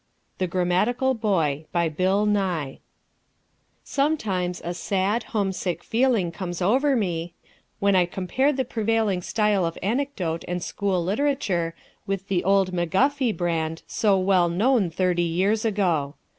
THE GRAMMATICAL BOY BY BILL NYE Sometimes a sad, homesick feeling comes over me, when I compare the prevailing style of anecdote and school literature with the old McGuffey brand, so well known thirty years ago.